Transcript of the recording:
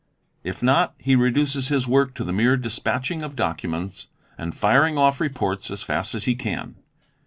If not, he Feduces his work to the mere dispatching of documents and firing off téports as fast as he can.